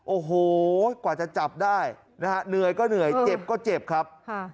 โอ้โหกว่าจะจับได้นะฮะเหนื่อยก็เหนื่อยเจ็บก็เจ็บครับ